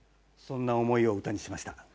そんな思いを歌にしました。